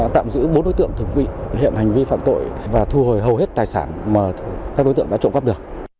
tạm giữ bốn đối tượng thực vị hiện hành vi phạm tội và thu hồi hầu hết tài sản mà các đối tượng đã trộm cắp được